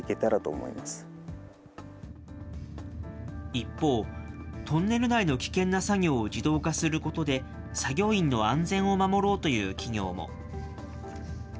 一方、トンネル内の危険な作業を自動化することで、作業員の安全を守ろうという企業も。